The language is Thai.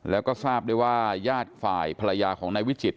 แล้วก็ทราบได้ว่าญาติฝ่ายภรรยาของนายวิจิต